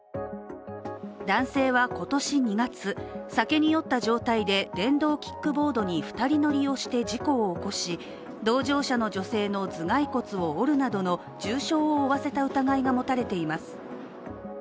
男性は今年２月、酒に酔った状態で電動キックボードに２人乗りをして事故を起こし、同乗者の女性の頭蓋骨を折るなどの重傷を負わせた疑いが持たれています。